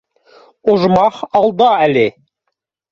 — Ожмах алда әле